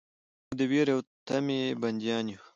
موږ د ویرې او طمعې بندیان یو.